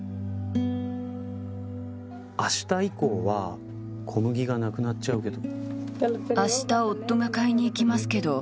あした以降は小麦がなくなっちゃうけど。